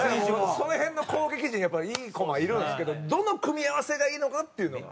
その辺の攻撃陣やっぱいいコマいるんですけどどの組み合わせがいいのかっていうのが。